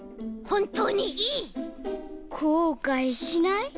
こうかいしない？